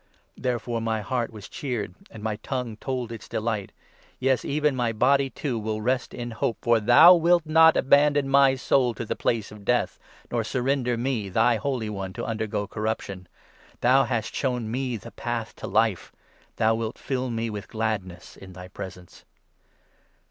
Therefore my heart was cheered, and my tongue told its delight ; 26 Yes, even my body, too, will rest in hope ; For thou wilt not abandon my soul to the Place of Death, 27 Nor surrender me, thy holy one, to undergo corruption. Thou hast shown me the path to life, 28 Thou wilt fill me with gladness in thy presence.'